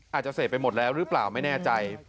อาจจะเสพไปหมดแล้วหรือเปล่าไม่แน่ใจ